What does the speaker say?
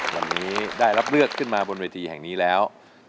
วันนี้ได้รับเลือกขึ้นมาบนเวทีแห่งนี้แล้ว